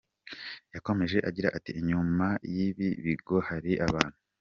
Yakomeje agira ati “Inyuma y’ibi bigo hari abantu.